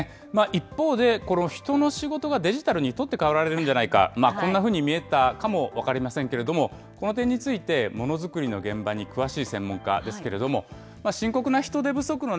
一方で、人の仕事がデジタルに取って代わられるんじゃないか、こんなふうに見えたかも分かりませんけれども、この点について、ものづくりの現場に詳しい専門家ですけれども、深刻な人手不足の